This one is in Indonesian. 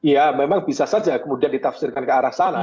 ya memang bisa saja kemudian ditafsirkan ke arah sana